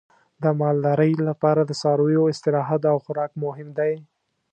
د مالدارۍ لپاره د څارویو استراحت او خوراک مهم دی.